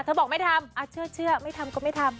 บอกไม่ทำเชื่อไม่ทำก็ไม่ทำ